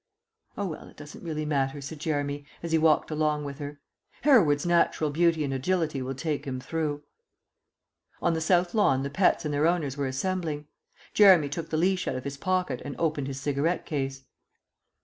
"Oh, well, it doesn't really matter," said Jeremy, as he walked along with her. "Hereward's natural beauty and agility will take him through." On the south lawn the pets and their owners were assembling. Jeremy took the leash out of his pocket and opened his cigarette case.